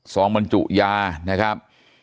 องบรรจุยานะครับ